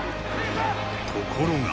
ところが。